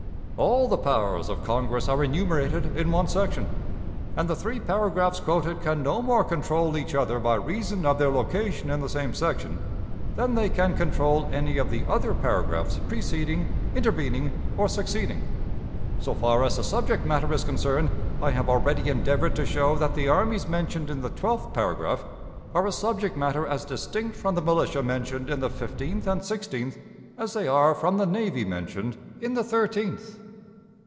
All the powers of Congress are enumerated in one section, and the three paragraphs quoted can no more control each other by reason of their location in the same section than they can control any of the other paragraphs preceding, intervening, or succeeding. So far as the subject matter is concerned, I have already endeavored to show that the armies mentioned in the twelfth paragraph are a subject matter as distinct from the militia mentioned in the fifteenth and sixteenth as they are from the navy mentioned in the thirteenth.